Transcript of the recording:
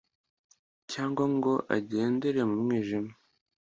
cyangwa ngo agendere mu mwijima